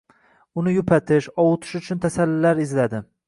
Uni yupatish, ovutish uchun tasallilar izladi